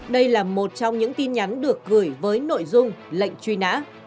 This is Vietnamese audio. đây là một trong những tin nhắn được gửi với nội dung lệnh truy nã